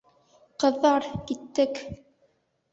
Ҡыҙҙар, киттек!